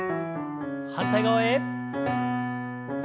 反対側へ。